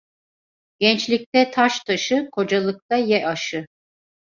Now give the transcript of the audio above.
Gençlikte taş taşı, kocalıkta ye aşı.